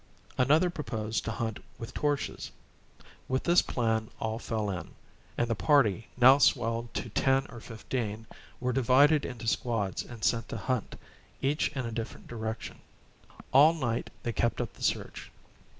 Another proposed to hunt with torches. With this plan all fell in; and the party, now swelled to ten or fifteen, were divided into squads and sent to hunt, each in a different direction. All night they kept up the search.